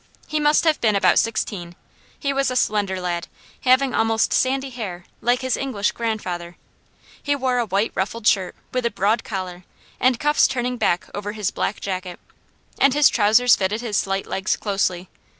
He must have been about sixteen. He was a slender lad, having almost sandy hair, like his English grandfather. He wore a white ruffled shirt with a broad collar, and cuffs turning back over his black jacket, and his trousers fitted his slight legs closely.